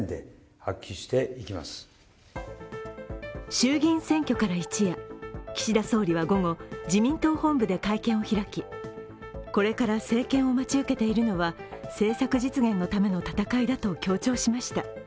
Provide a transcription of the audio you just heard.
衆議院選挙から一夜、岸田総理は午後、自民党本部で会見を開きこれから政権を待ち受けているのは政策実現のための戦いだと強調しました。